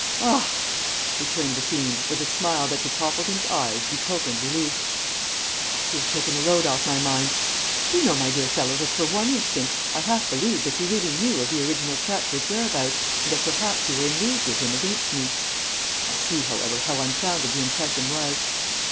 "Ah!" returned the fiend, with a smile that to Toppleton's eyes betokened relief. "You have taken a load off my mind. Do you know, my dear fellow, that for one instant I half believed that you really knew of the original Chatford's whereabouts, and that perhaps you were in league with him against me. I see, however, how unfounded the impression was."